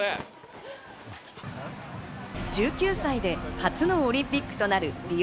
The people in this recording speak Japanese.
１９歳で初のオリンピックとなるリオ